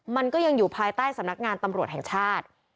มันก็ยังอยู่ภายใต้สำนักงานตำรวจแห่งชาติ